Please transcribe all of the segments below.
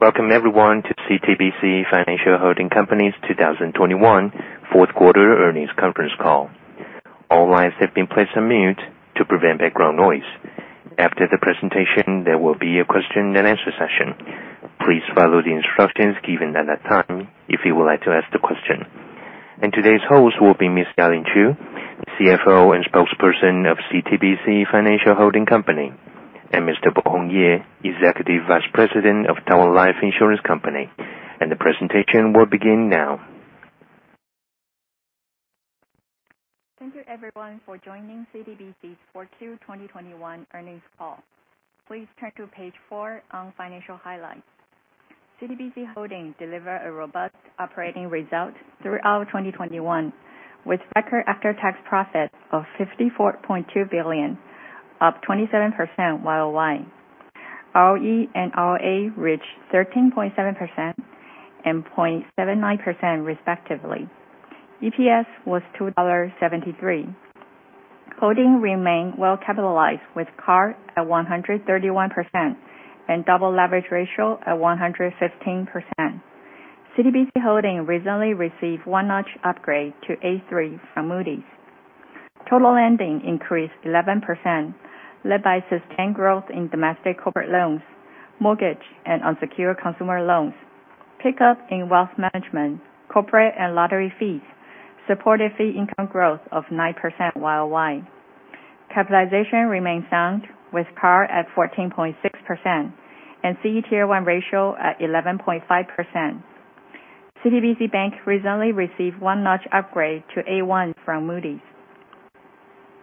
Welcome everyone to CTBC Financial Holding Company's 2021 fourth quarter earnings conference call. All lines have been placed on mute to prevent background noise. After the presentation, there will be a question and answer session. Please follow the instructions given at that time if you would like to ask the question. Today's host will be Ms. Ya-Ling Chu, CFO and Spokesperson of CTBC Financial Holding Company, and Mr. Bohong Ye, Executive Vice President of Taiwan Life Insurance Company. The presentation will begin now. Thank you everyone for joining CTBC's 4Q 2021 earnings call. Please turn to page four on financial highlights. CTBC Holding delivered a robust operating result throughout 2021, with record after-tax profits of NTD 54.2 billion, up 27% year-over-year. ROE and ROA reached 13.7% and 0.79%, respectively. EPS was NTD 2.73. Holding remained well capitalized with CAR at 131% and double leverage ratio at 115%. CTBC Holding recently received one notch upgrade to A3 from Moody's. Total lending increased 11%, led by sustained growth in domestic corporate loans, mortgage, and unsecured consumer loans. Pick up in wealth management, corporate and lottery fees supported fee income growth of 9% year-over-year. Capitalization remains sound with CAR at 14.6% and CET1 ratio at 11.5%. CTBC Bank recently received one notch upgrade to A1 from Moody's.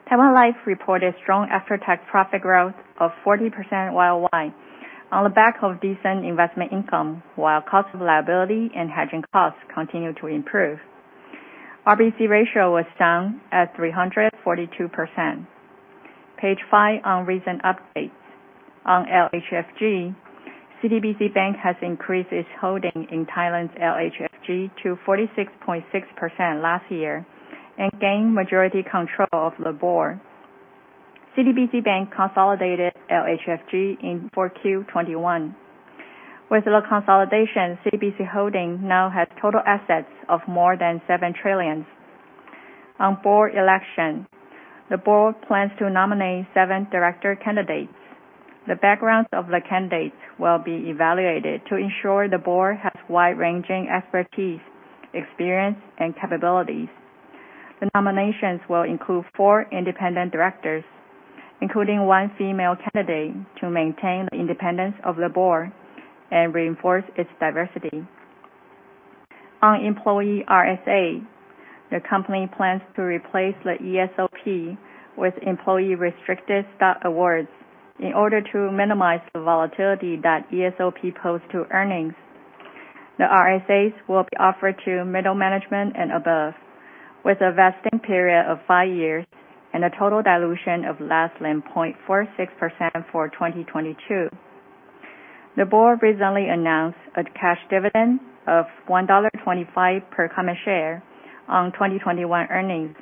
Taiwan Life reported strong after-tax profit growth of 40% year-over-year on the back of decent investment income, while cost of liability and hedging costs continue to improve. RBC ratio was down at 342%. Page five on recent updates. On LH Financial Group, CTBC Bank has increased its holding in Thailand's LH Financial Group to 46.6% last year and gained majority control of the board. CTBC Bank consolidated LH Financial Group in 4Q 2021. With the consolidation, CTBC Holding now has total assets of more than NTD seven trillion. On board election, the board plans to nominate seven director candidates. The backgrounds of the candidates will be evaluated to ensure the board has wide-ranging expertise, experience, and capabilities. The nominations will include four independent directors, including one female candidate, to maintain the independence of the board and reinforce its diversity. On employee Restricted Stock Awards, the company plans to replace the ESOP with employee Restricted Stock Awards in order to minimize the volatility that ESOP pose to earnings. The Restricted Stock Awards will be offered to middle management and above, with a vesting period of five years and a total dilution of less than 0.46% for 2022. The board recently announced a cash dividend of NTD 1.25 per common share on 2021 earnings,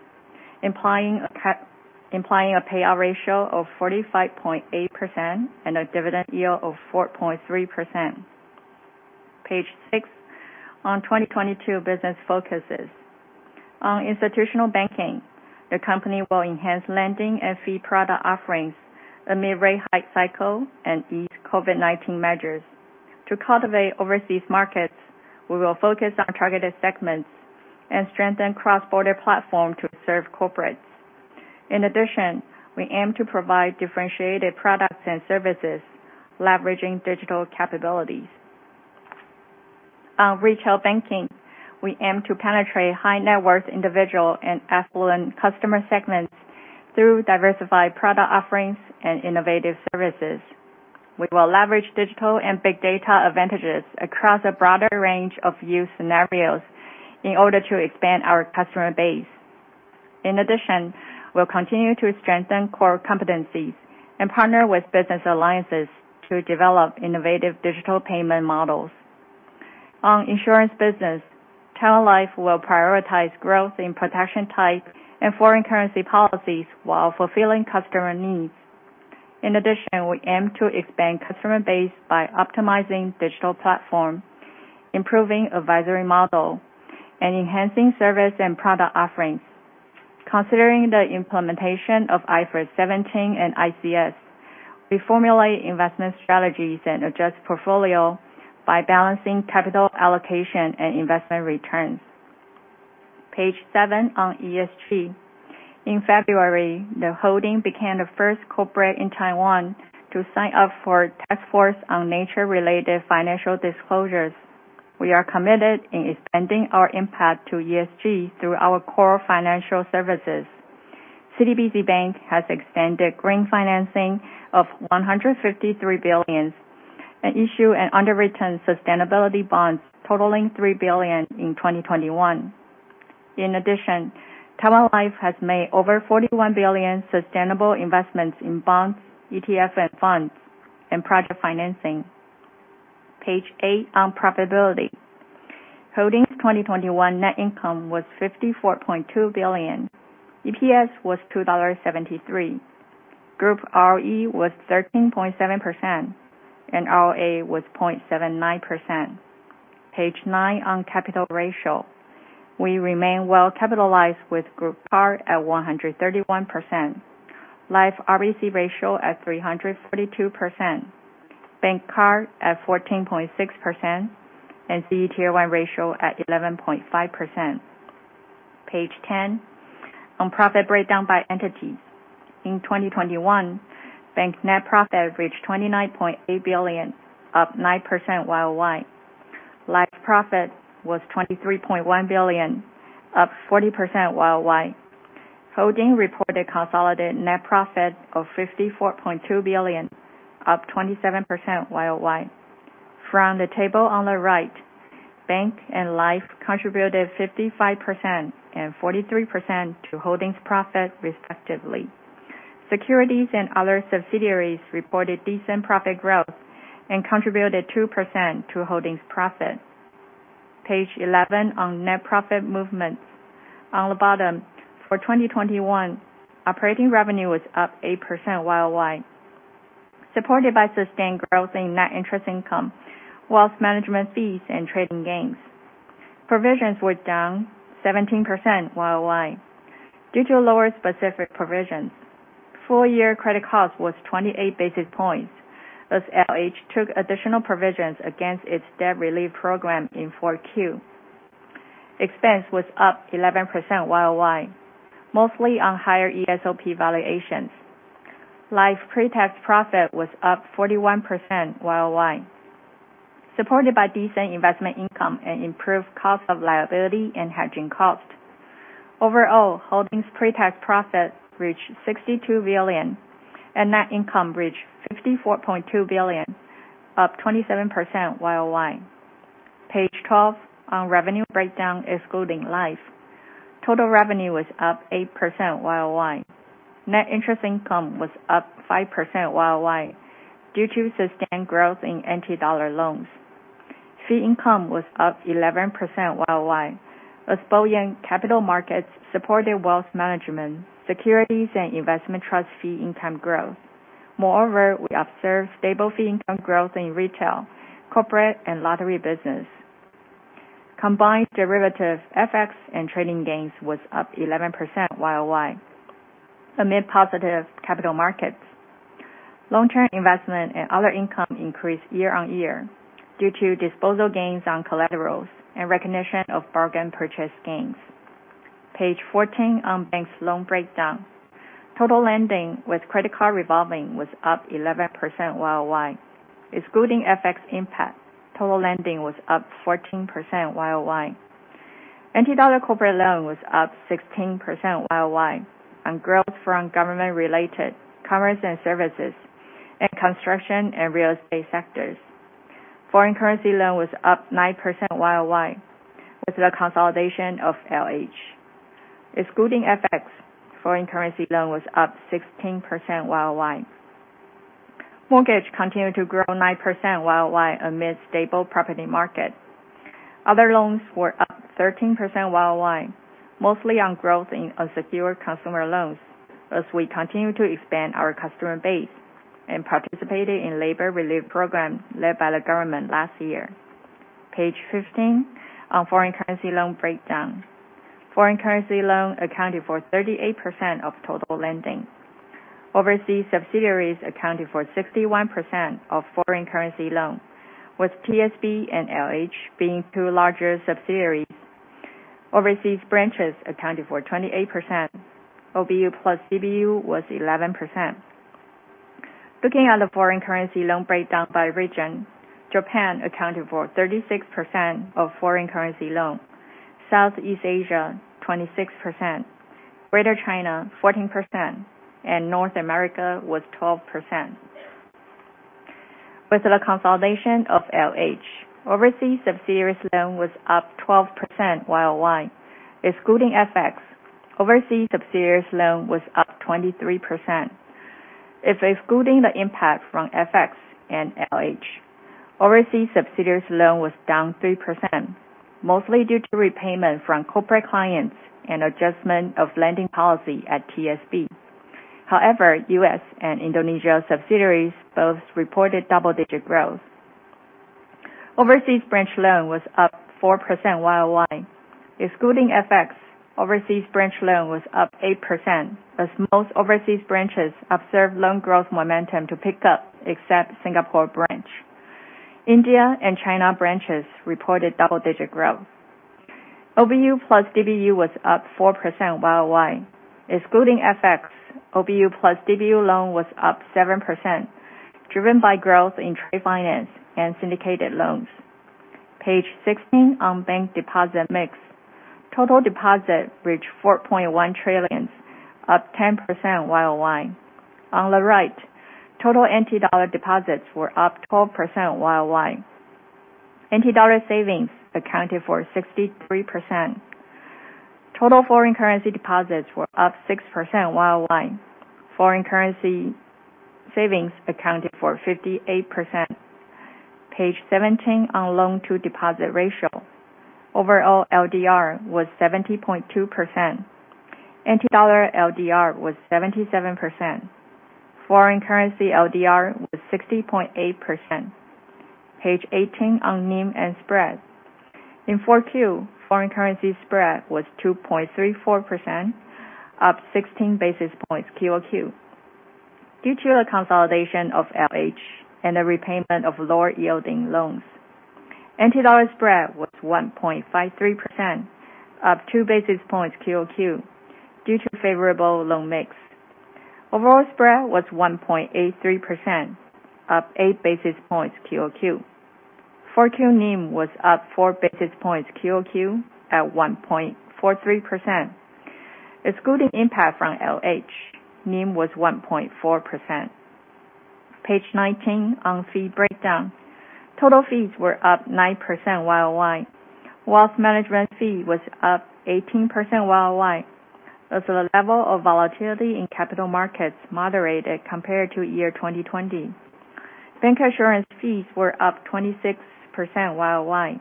implying a payout ratio of 45.8% and a dividend yield of 4.3%. Page six on 2022 business focuses. On institutional banking, the company will enhance lending and fee product offerings amid rate hike cycle and ease COVID-19 measures. To cultivate overseas markets, we will focus on targeted segments and strengthen cross-border platform to serve corporates. In addition, we aim to provide differentiated products and services, leveraging digital capabilities. On retail banking, we aim to penetrate high-net-worth individual and affluent customer segments through diversified product offerings and innovative services. We will leverage digital and big data advantages across a broader range of use scenarios in order to expand our customer base. In addition, we will continue to strengthen core competencies and partner with business alliances to develop innovative digital payment models. On insurance business, Taiwan Life will prioritize growth in protection type and foreign currency policies while fulfilling customer needs. In addition, we aim to expand customer base by optimizing digital platform, improving advisory model, and enhancing service and product offerings. Considering the implementation of IFRS 17 and ICS, we formulate investment strategies and adjust portfolio by balancing capital allocation and investment returns. Page seven on ESG. In February, the Holding became the first corporate in Taiwan to sign up for Taskforce on Nature-related Financial Disclosures. We are committed in expanding our impact to ESG through our core financial services. CTBC Bank has extended green financing of NTD 153 billion and issued and underwritten sustainability bonds totaling NTD 3 billion in 2021. In addition, Taiwan Life has made over NTD 41 billion sustainable investments in bonds, ETF, and funds, and project financing. Page eight on profitability. Holding's 2021 net income was NTD 54.2 billion. EPS was NTD 2.73. Group ROE was 13.7%, and ROA was 0.79%. Page nine on capital ratio. We remain well-capitalized with group CAR at 131%, Life RBC ratio at 342%, bank CAR at 14.6%, and CET1 ratio at 11.5%. Page 10 on profit breakdown by entities. In 2021, bank net profit averaged NTD 29.8 billion, up 9% YOY. Life profit was NTD 23.1 billion, up 40% YOY. Holding reported consolidated net profit of NTD 54.2 billion, up 27% YOY. From the table on the right, bank and Life contributed 55% and 43% to Holding's profit, respectively. Securities and other subsidiaries reported decent profit growth and contributed 2% to Holding's profit. Page 11 on net profit movements. On the bottom, for 2021, operating revenue was up 8% YOY, supported by sustained growth in net interest income, wealth management fees, and trading gains. Provisions were down 17% YOY due to lower specific provisions. Full-year credit cost was 28 basis points as LH took additional provisions against its debt relief program in Q4. Expense was up 11% YOY, mostly on higher ESOP valuations. Life pre-tax profit was up 41% YOY, supported by decent investment income and improved cost of liability and hedging cost. Overall, Holding's pre-tax profit reached NTD 62 billion and net income reached NTD 54.2 billion, up 27% YOY. Page 12 on revenue breakdown excluding Life. Total revenue was up 8% YOY. Net interest income was up 5% YOY due to sustained growth in NTD loans. Fee income was up 11% YOY as buoyant capital markets supported wealth management, securities, and investment trust fee income growth. Moreover, we observed stable fee income growth in retail, corporate, and lottery business. Combined derivative FX and trading gains was up 11% YOY amid positive capital markets. Long-term investment and other income increased year-over-year due to disposal gains on collaterals and recognition of bargain purchase gains. Page 14 on bank's loan breakdown. Total lending with credit card revolving was up 11% YOY. Excluding FX impact, total lending was up 14% YOY. NTD corporate loan was up 16% YOY on growth from government-related commerce and services and construction and real estate sectors. Foreign currency loan was up 9% YOY with the consolidation of LH. Excluding FX, foreign currency loan was up 16% YOY. Mortgage continued to grow 9% YOY amid stable property market. Other loans were up 13% YOY, mostly on growth in unsecured consumer loans as we continued to expand our customer base and participated in labor relief programs led by the government last year. Page 15 on foreign currency loan breakdown. Foreign currency loan accounted for 38% of total lending. Overseas subsidiaries accounted for 61% of foreign currency loan, with TSB and LH being two larger subsidiaries. Overseas branches accounted for 28%. OBU plus DBU was 11%. Looking at the foreign currency loan breakdown by region, Japan accounted for 36% of foreign currency loan, Southeast Asia 26%, Greater China 14%, and North America was 12%. With the consolidation of LH, overseas subsidiaries loan was up 12% YOY. Excluding FX, overseas subsidiaries loan was up 23%. If excluding the impact from FX and LH, overseas subsidiaries loan was down 3%, mostly due to repayment from corporate clients and adjustment of lending policy at TSB. However, U.S. and Indonesia subsidiaries both reported double-digit growth. Overseas branch loan was up 4% YOY. Excluding FX, overseas branch loan was up 8% as most overseas branches observed loan growth momentum to pick up except Singapore branch. India and China branches reported double-digit growth. OBU plus DBU was up 4% YOY. Excluding FX, OBU plus DBU loan was up 7%, driven by growth in trade finance and syndicated loans. Page 16 on bank deposit mix. Total deposits reached 4.1 trillion, up 10% YOY. On the right, total NTD deposits were up 12% YOY. NTD savings accounted for 63%. Total foreign currency deposits were up 6% YOY. Foreign currency savings accounted for 58%. Page 17 on loan-to-deposit ratio. Overall, LDR was 70.2%. NTD LDR was 77%. Foreign currency LDR was 60.8%. Page 18 on NIM and spread. In 4Q, foreign currency spread was 2.34%, up 16 basis points QoQ, due to the consolidation of LH and the repayment of lower yielding loans. NTD spread was 1.53%, up two basis points QoQ, due to favorable loan mix. Overall spread was 1.83%, up eight basis points QoQ. 4Q NIM was up four basis points QoQ at 1.43%. Excluding impact from LH, NIM was 1.4%. Page 19 on fee breakdown. Total fees were up 9% YOY. Wealth management fee was up 18% YOY. As the level of volatility in capital markets moderated compared to year 2020. Bank assurance fees were up 26% YOY,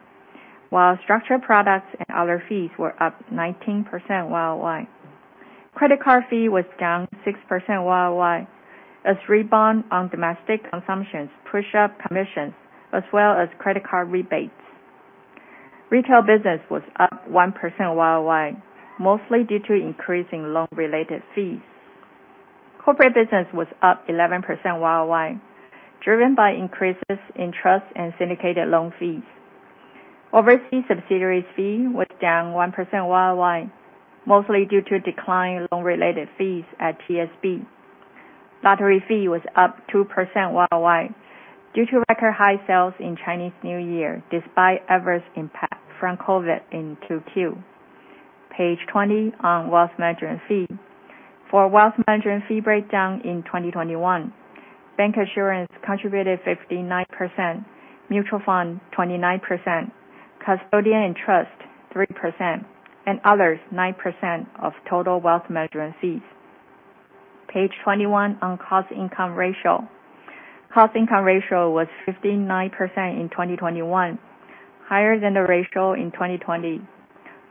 while structured products and other fees were up 19% YOY. Credit card fee was down 6% YOY, as rebound on domestic consumptions push up commissions as well as credit card rebates. Retail business was up 1% YOY, mostly due to increase in loan-related fees. Corporate business was up 11% YOY, driven by increases in trust and syndicated loan fees. Overseas subsidiaries fee was down 1% YOY, mostly due to decline in loan-related fees at TSB. Lottery fee was up 2% YOY due to record high sales in Chinese New Year, despite adverse impact from COVID in 2Q. Page 20 on wealth management fee. For wealth management fee breakdown in 2021, bank assurance contributed 59%, mutual fund 29%, custodian and trust 3%, and others 9% of total wealth management fees. Page 21 on cost income ratio. Cost income ratio was 59% in 2021, higher than the ratio in 2020,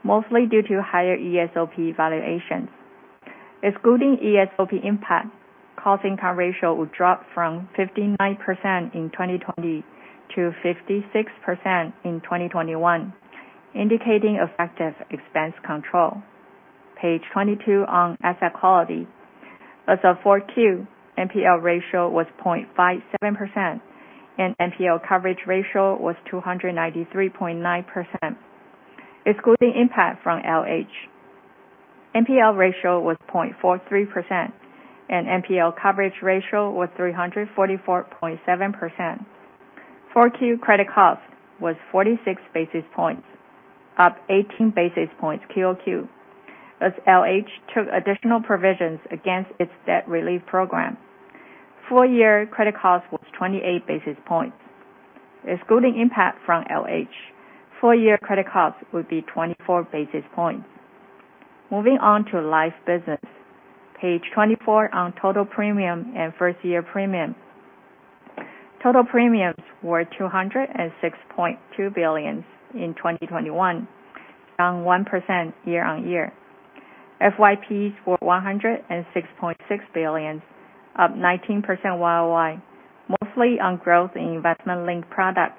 mostly due to higher ESOP valuations. Excluding ESOP impact, cost income ratio would drop from 59% in 2020 to 56% in 2021, indicating effective expense control. Page 22 on asset quality. As of Q4, NPL ratio was 0.57%, and NPL coverage ratio was 293.9%. Excluding impact from LH, NPL ratio was 0.43%, and NPL coverage ratio was 344.7%. Q4 credit cost was 46 basis points, up 18 basis points QoQ, as LH took additional provisions against its debt relief program. Full-year credit cost was 28 basis points. Excluding impact from LH, full-year credit cost would be 24 basis points. Moving on to life business, page 24 on total premium and first-year premium. Total premiums were NTD 206.2 billion in 2021, down 1% year-on-year. FYPs were NTD 106.6 billion, up 19% YOY, mostly on growth in investment linked products.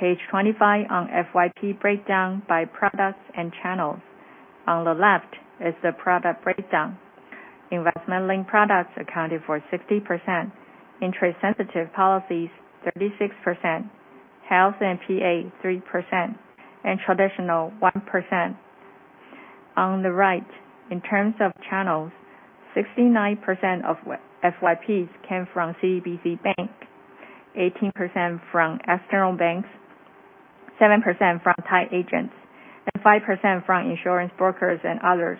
Page 25 on FYP breakdown by products and channels. On the left is the product breakdown. Investment linked products accounted for 60%, interest sensitive policies 36%, health and PA 3%, and traditional 1%. On the right, in terms of channels, 69% of FYPs came from CTBC Bank, 18% from external banks, 7% from tied agents, and 5% from insurance brokers and others.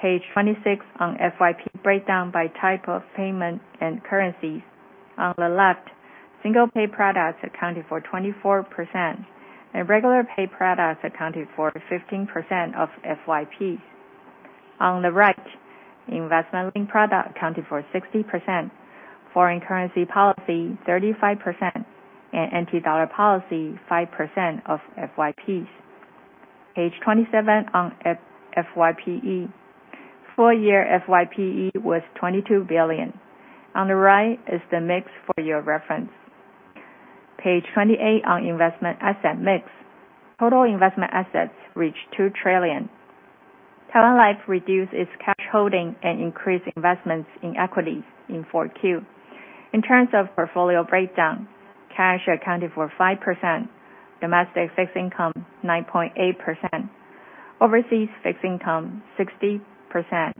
Page 26 on FYP breakdown by type of payment and currencies. On the left, single-pay products accounted for 24%, and regular pay products accounted for 15% of FYPs. On the right, investment linked product accounted for 60%, foreign currency policy 35%, and NTD policy 5% of FYPs. Page 27 on FYPE. Full-year FYPE was NTD 22 billion. On the right is the mix for your reference. Page 28 on investment asset mix. Total investment assets reached NTD 2 trillion. Taiwan Life reduced its cash holding and increased investments in equities in Q4. In terms of portfolio breakdown, cash accounted for 5%, domestic fixed income 9.8%, overseas fixed income 60%,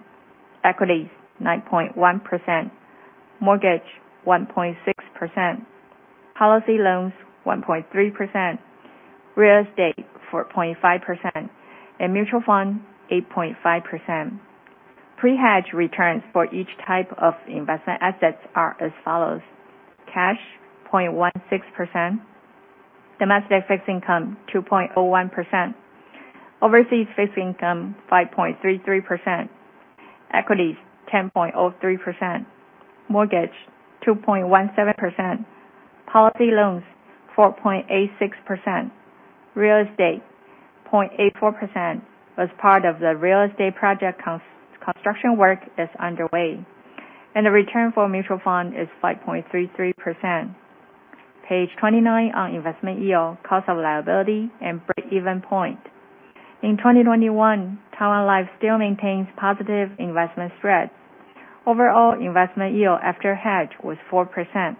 equities 9.1%, mortgage 1.6%, policy loans 1.3%, real estate 4.5%, and mutual fund 8.5%. Pre-hedge returns for each type of investment assets are as follows: cash 0.16%, Domestic fixed income 2.01%. Overseas fixed income 5.33%. Equities 10.03%. Mortgage 2.17%. Policy loans 4.86%. Real estate 0.84%. Part of the real estate project construction work is underway. The return for mutual fund is 5.33%. Page 29 on investment yield, cost of liability, and breakeven point. In 2021, Taiwan Life still maintains positive investment spread. Overall investment yield after hedge was 4%.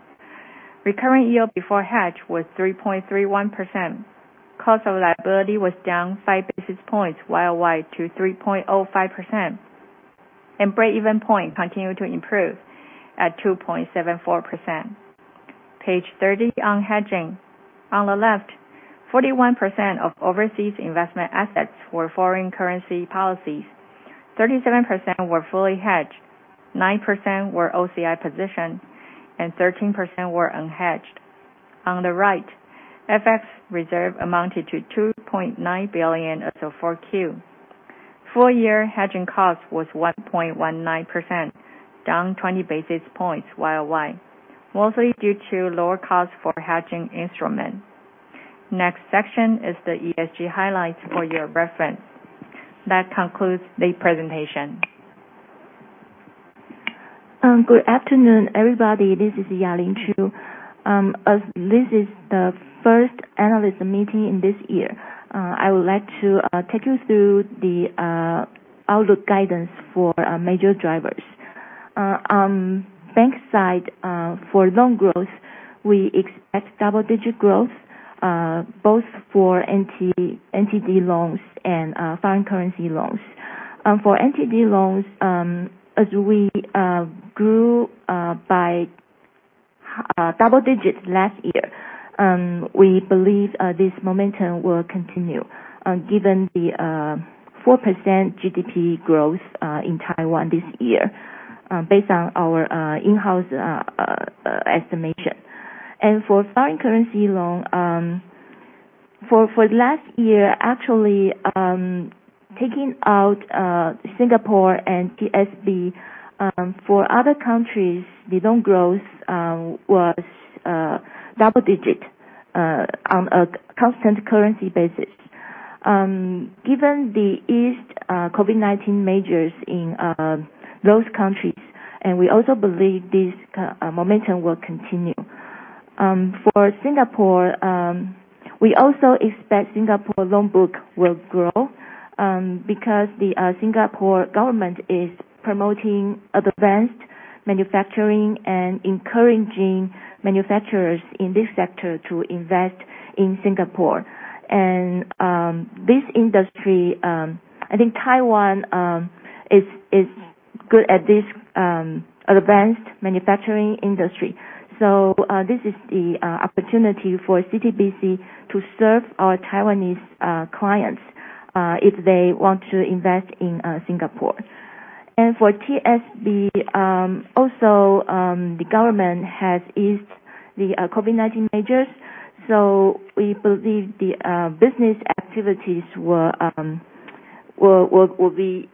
Recurring yield before hedge was 3.31%. Cost of liability was down 5 basis points year-over-year to 3.05%. Breakeven point continued to improve at 2.74%. Page 30 on hedging. On the left, 41% of overseas investment assets were foreign currency policies, 37% were fully hedged, 9% were OCI position, and 13% were unhedged. On the right, FX reserve amounted to NTD 2.9 billion as of Q4. Full year hedging cost was 1.19%, down 20 basis points year-over-year, mostly due to lower cost for hedging instrument. Next section is the ESG highlights for your reference. That concludes the presentation. Good afternoon, everybody. This is Ya-Ling Chu. As this is the first analyst meeting in this year, I would like to take you through the outlook guidance for major drivers. Bank side, for loan growth, we expect double-digit growth, both for NTD loans and foreign currency loans. For NTD loans, as we grew by double digits last year, we believe this momentum will continue, given the 4% GDP growth in Taiwan this year based on our in-house estimation. For foreign currency loan, for last year, actually, taking out Singapore and TSB, for other countries, the loan growth was double digit on a constant currency basis, given the eased COVID-19 measures in those countries, and we also believe this momentum will continue. For Singapore, we also expect Singapore loan book will grow because the Singapore government is promoting advanced manufacturing and encouraging manufacturers in this sector to invest in Singapore. This industry, I think Taiwan is good at this advanced manufacturing industry. This is the opportunity for CTBC to serve our Taiwanese clients if they want to invest in Singapore. For TSB, also the government has eased the COVID-19 measures, we believe the business activities will be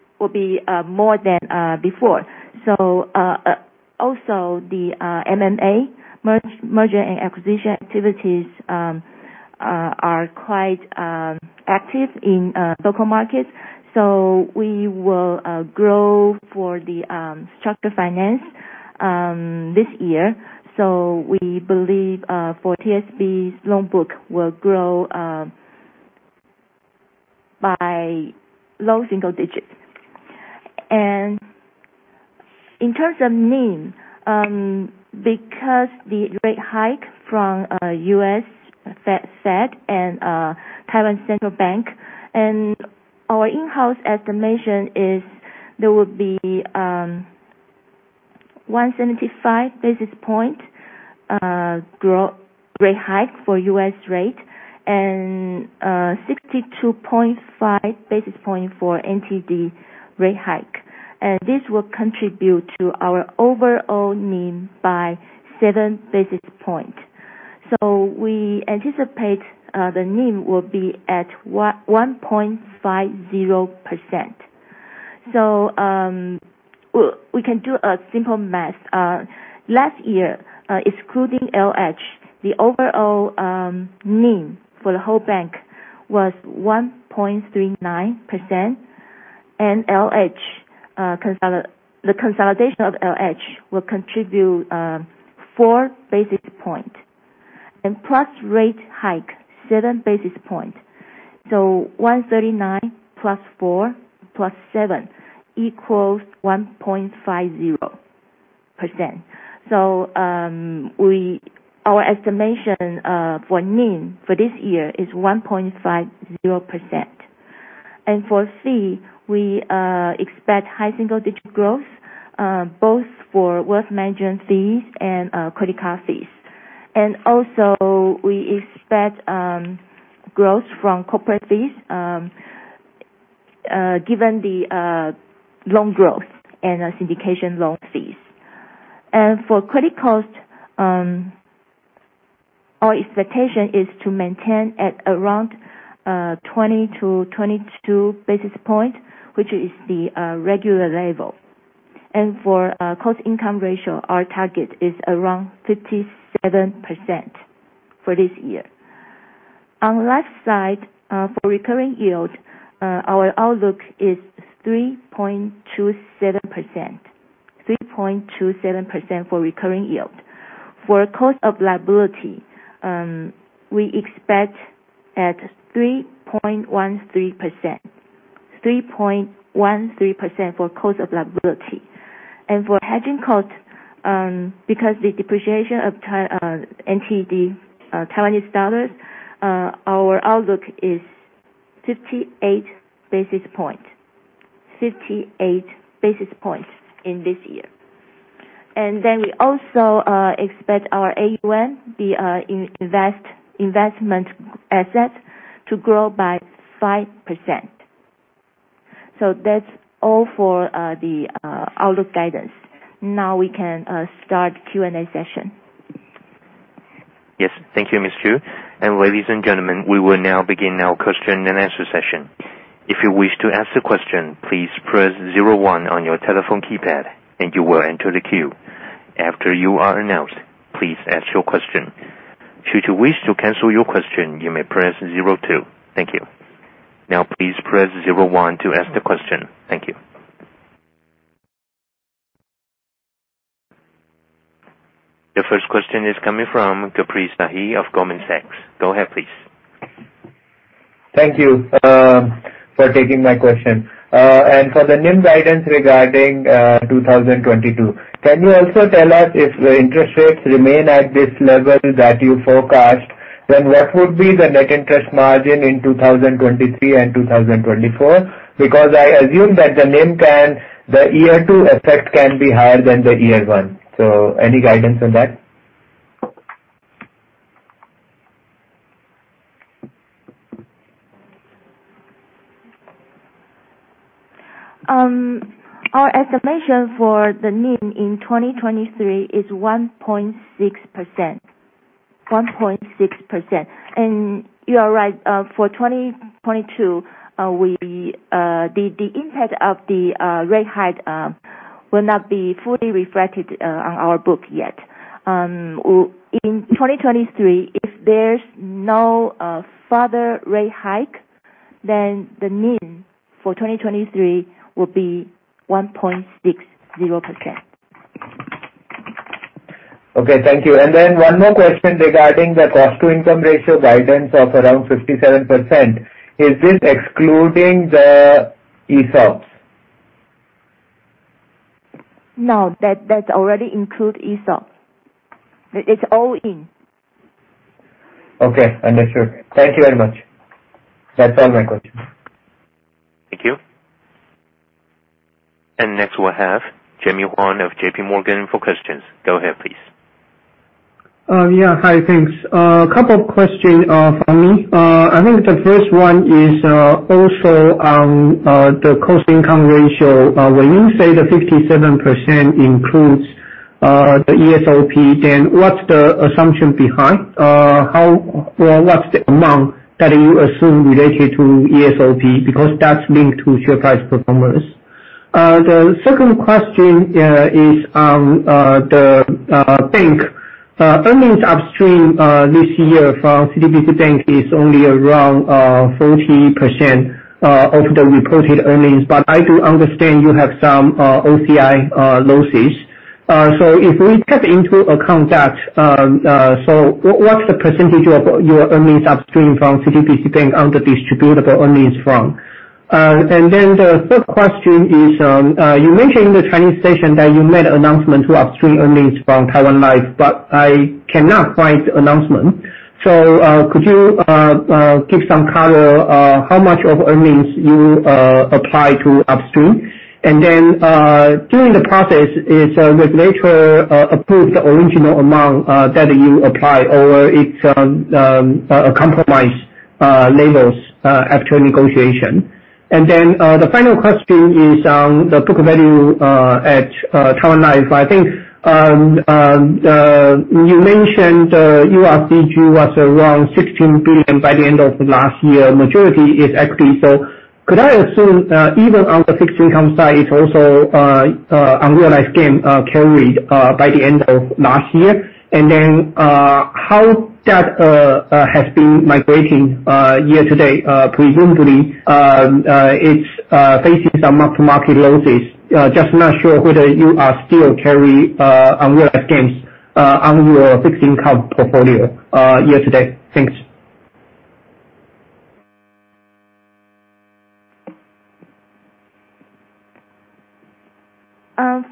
more than before. The M&A, merger and acquisition activities, are quite active in local markets, we will grow for the structured finance this year. We believe for TSB's loan book will grow by low single digits. In terms of NIM, because the rate hike from US Fed and Taiwan Central Bank, our in-house estimation is there will be 175 basis point rate hike for US rate and 62.5 basis point for NTD rate hike. This will contribute to our overall NIM by 7 basis points. We anticipate the NIM will be at 1.50%. We can do a simple math. Last year, excluding LH, the overall NIM for the whole bank was 1.39%, and the consolidation of LH will contribute 4 basis point, and plus rate hike, 7 basis point. 139 plus 4, plus 7, equals 1.50%. Our estimation for NIM for this year is 1.50%. For fee, we expect high single-digit growth, both for wealth management fees and credit card fees. We also expect growth from corporate fees given the loan growth and syndication loan fees. For credit cost, our expectation is to maintain at around 20 to 22 basis points, which is the regular level. For cost income ratio, our target is around 57% for this year. On the left side, for recurring yield, our outlook is 3.27% for recurring yield. For cost of liability, we expect at 3.13% for cost of liability. For hedging cost, because the depreciation of NTD Taiwanese dollars, our outlook is 58 basis points in this year. We also expect our AUM, the investment asset, to grow by 5%. That's all for the outlook guidance. Now we can start Q&A session. Yes. Thank you, Ms. Chu. Ladies and gentlemen, we will now begin our question and answer session. If you wish to ask a question, please press 01 on your telephone keypad and you will enter the queue. After you are announced, please ask your question. Should you wish to cancel your question, you may press 02. Thank you. Now please press 01 to ask the question. Thank you. The first question is coming from Caprice Nahi of Goldman Sachs. Go ahead, please. Thank you for taking my question. For the NIM guidance regarding 2022, can you also tell us if the interest rates remain at this level that you forecast, then what would be the net interest margin in 2023 and 2024? I assume that the NIM the year two effect can be higher than the year one. Any guidance on that? Our estimation for the NIM in 2023 is 1.6%. You are right, for 2022, the impact of the rate hike will not be fully reflected on our book yet. In 2023, if there is no further rate hike, the NIM for 2023 will be 1.60%. Okay. Thank you. One more question regarding the cost to income ratio guidance of around 57%, is this excluding the ESOPs? No. That already includes ESOP. It's all in. Okay. Understood. Thank you very much. That's all my questions. Thank you. Next we'll have Jemmy Huang of J.P. Morgan for questions. Go ahead, please. Yeah. Hi. Thanks. A couple of questions from me. I think the first one is also on the cost income ratio. When you say the 57% includes the ESOP, what's the assumption behind? What's the amount that you assume related to ESOP? That's linked to share price performance. The second question is on the bank. Earnings upstream this year from CTBC Bank is only around 40% of the reported earnings, but I do understand you have some OCI losses. If we take into account that, what's the percentage of your earnings upstream from CTBC Bank on the distributable earnings from? The third question is, you mentioned in the Chinese session that you made announcement to upstream earnings from Taiwan Life, but I cannot find the announcement. Could you give some color, how much of earnings you apply to upstream? During the process, is regulator approved the original amount that you apply, or it's a compromise levels after negotiation? The final question is on the book value at Taiwan Life. I think you mentioned URCG was around NTD 16 billion by the end of last year. Majority is equity. Could I assume, even on the fixed income side, it's also unrealized gain carried by the end of last year? How that has been migrating year to date? Presumably, it's facing some mark-to-market losses. Just not sure whether you are still carry unrealized gains on your fixed income portfolio year to date. Thanks.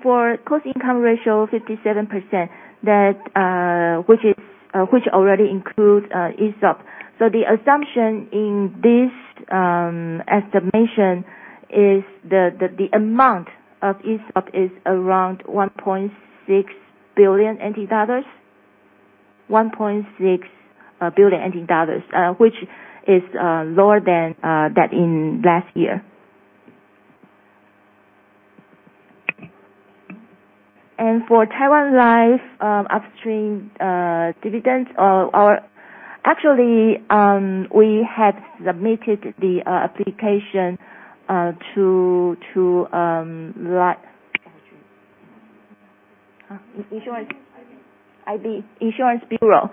For cost income ratio, 57%, which already include ESOP. The assumption in this estimation is the amount of ESOP is around NTD 1.6 billion, which is lower than that in last year. For Taiwan Life upstream dividends, actually, we had submitted the application to the IB IB, Insurance Bureau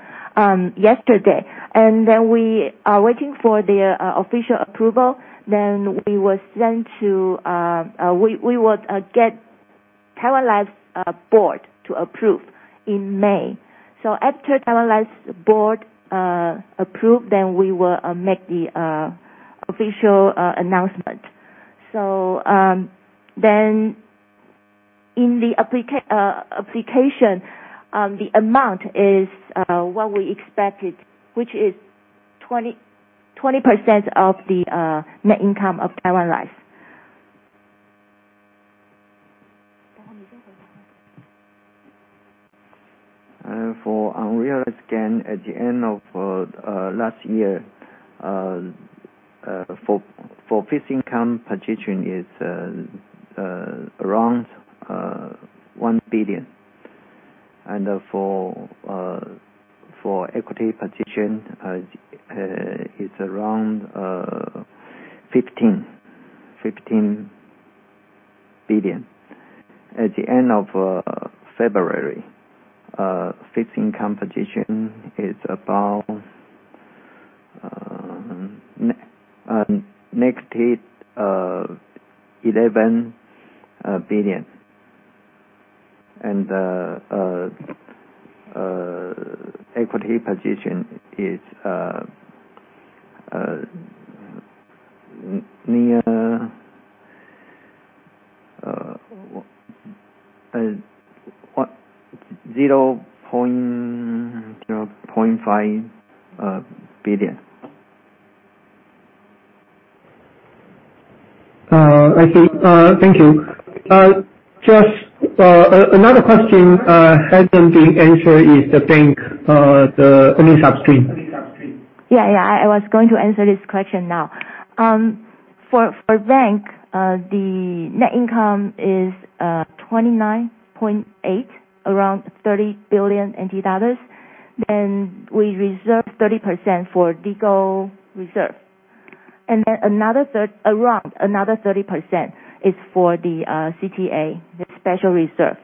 yesterday. We are waiting for their official approval. We will get Taiwan Life's board to approve in May. After Taiwan Life's board approves, we will make the official announcement. In the application, the amount is what we expected, which is 20% of the net income of Taiwan Life. For unrealized gain, at the end of last year, for fixed income position is around NTD 1 billion. For equity position, it's around NTD 15 billion. At the end of February, fixed income position is about negative NTD 11 billion, equity position is near NTD 0.5 billion. I see. Thank you. Just another question hasn't been answered is the bank, the upstream. Yeah. I was going to answer this question now. For bank, the net income is NTD 29.8 billion, around NTD 30 billion. We reserve 30% for legal reserve. Around another 30% is for the CTA, the special reserve.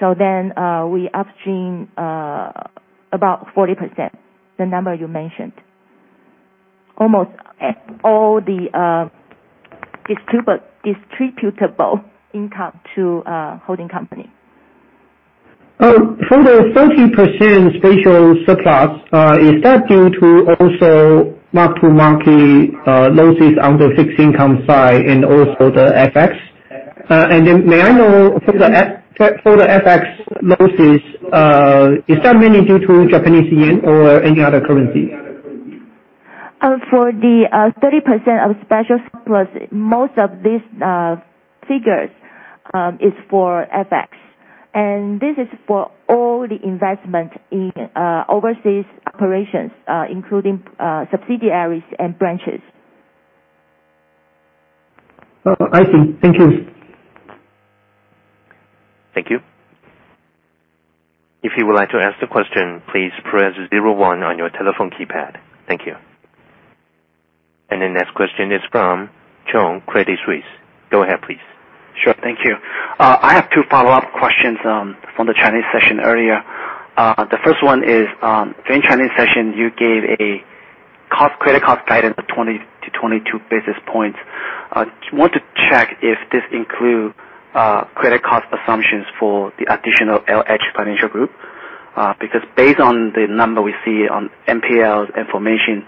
We upstream about 40%, the number you mentioned. Almost all the distributable income to holding company. For the 30% special surplus, is that due to also mark-to-market losses on the fixed income side and also the FX? May I know for the FX losses, is that mainly due to Japanese yen or any other currency? For the 30% of special surplus, most of these figures is for FX. This is for all the investment in overseas operations, including subsidiaries and branches. I see. Thank you. Thank you. If you would like to ask the question, please press zero one on your telephone keypad. Thank you. The next question is from John, Credit Suisse. Go ahead, please. Sure. Thank you. I have two follow-up questions from the Chinese session earlier. The first one is, during Chinese session, you gave a credit cost guidance of 20-22 basis points. Want to check if this include credit cost assumptions for the additional LH Financial Group, because based on the number we see on NPLs information,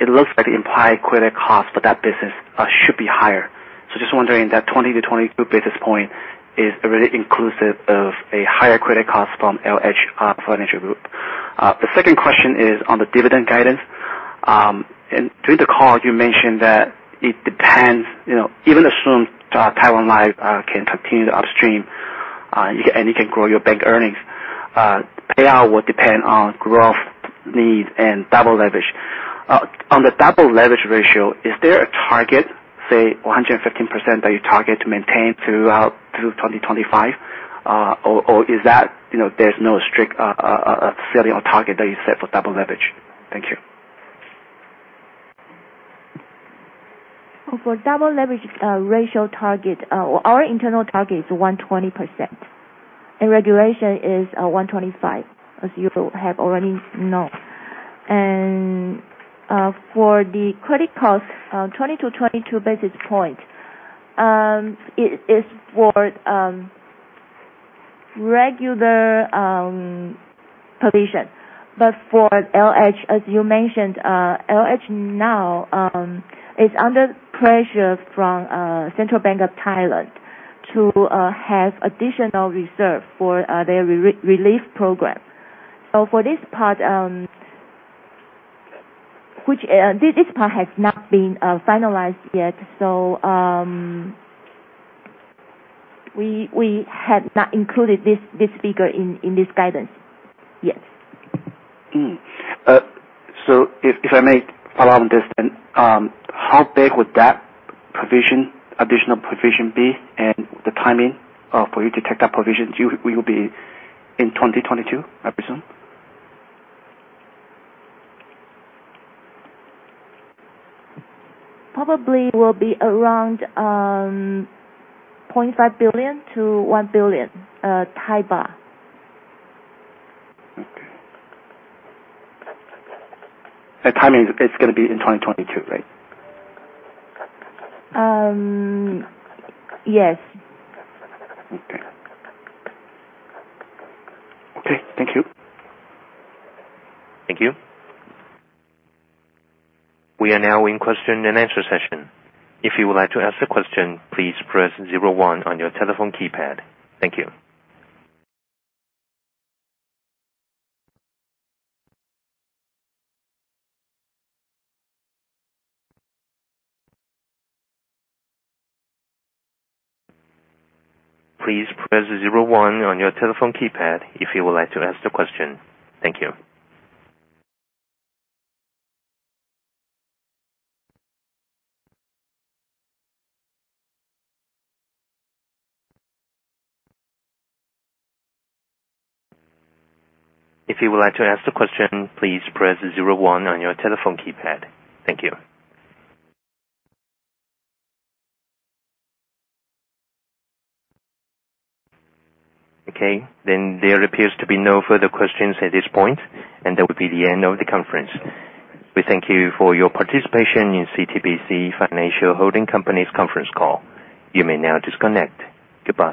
it looks like the implied credit cost for that business should be higher. So just wondering if that 20-22 basis point is really inclusive of a higher credit cost from LH Financial Group. The second question is on the dividend guidance. During the call, you mentioned that it depends, even assume Taiwan Life can continue to upstream and you can grow your bank earnings, payout will depend on growth need and double leverage. On the double leverage ratio, is there a target, say 115%, that you target to maintain throughout 2025? There's no strict ceiling or target that you set for double leverage? Thank you. For double leverage ratio target, our internal target is 120%, regulation is 125%, as you have already know. For the credit cost, 20 to 22 basis point, it is for regular provision. For LH, as you mentioned, LH now is under pressure from Bank of Thailand to have additional reserve for their relief program. This part has not been finalized yet, so we have not included this figure in this guidance. Yes. If I may follow up on this, how big would that additional provision be, and the timing for you to take that provision? Will it be in 2022, I presume? Probably will be around 0.5 billion-1 billion. Okay. Timing is going to be in 2022, right? Yes. Okay. Thank you. Thank you. We are now in question and answer session. If you would like to ask a question, please press 01 on your telephone keypad. Thank you. Please press 01 on your telephone keypad if you would like to ask a question. Thank you. If you would like to ask a question, please press 01 on your telephone keypad. Thank you. Okay, there appears to be no further questions at this point, and that will be the end of the conference. We thank you for your participation in CTBC Financial Holding Company's conference call. You may now disconnect. Goodbye